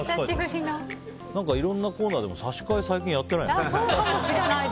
いろんなコーナーでも差し替え、最近やってないな。